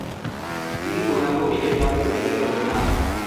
তিনি পূর্ণাঙ্গ উইকেট লাভের অধিকারী হতেন না।